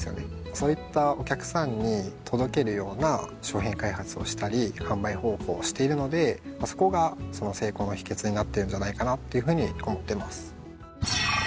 そういったお客さんに届けるような商品開発をしたり販売方法をしているのでそこが成功の秘訣になっているんじゃないかなっていうふうに思ってます。